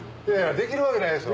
できるわけないですよ。